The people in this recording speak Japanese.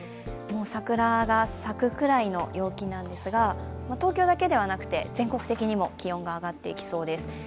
桜が咲くくらいの陽気なんですが東京だけではなくて全国的にも気温が上がっていきそうです。